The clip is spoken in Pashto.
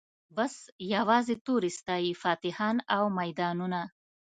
بس یوازي توري ستايی فاتحان او میدانونه